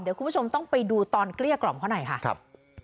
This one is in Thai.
เดี๋ยวคุณผู้ชมต้องไปดูตอนเกลี้ยกล่อมเขาหน่อยค่ะครับ